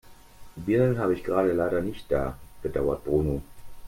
"Birnen habe ich leider gerade nicht da", bedauerte Bruno.